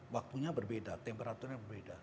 waktunya berbeda temperaturnya berbeda